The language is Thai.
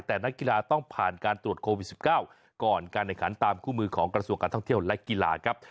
แต่นักกีฬาต้องผ่านการตรวจโควิด๑๙ก่อนการแข่งขันตามคู่มือของกระทรวงการท่องเที่ยวและกีฬาครับ